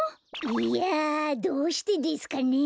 いやどうしてですかね？